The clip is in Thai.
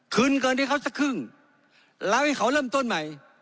คืนเกินให้เขาสักครึ่งแล้วให้เขาเริ่มต้นใหม่